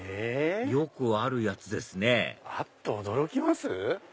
よくあるやつですねあっと驚きます？